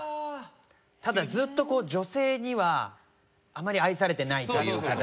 ただずっと女性にはあまり愛されてないという形で。